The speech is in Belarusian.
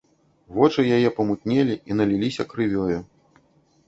Вочы яе памутнелі і наліліся крывёю.